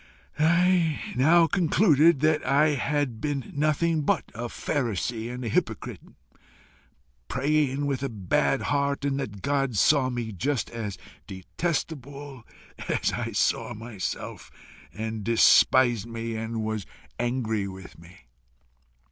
"I now concluded that I had been nothing but a pharisee and a hypocrite, praying with a bad heart, and that God saw me just as detestable as I saw myself, and despised me and was angry with me.